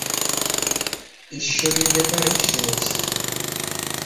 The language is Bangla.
ঈশ্বরীর ব্যাপারে শুনেছি।